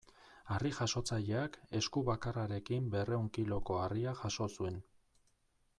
Harri-jasotzaileak, esku bakarrarekin berrehun kiloko harria jaso zuen.